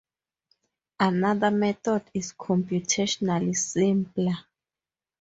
Another method is computationally simpler.